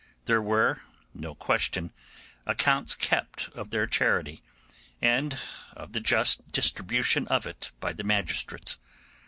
There were, no question, accounts kept of their charity, and of the just distribution of it by the magistrates.